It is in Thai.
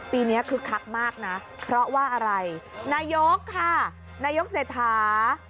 ปีนี้คึกคักมากนะเพราะว่าอะไรนายกค่ะนายกเศรษฐา